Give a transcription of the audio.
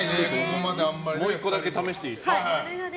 もう１個だけ試していいですか。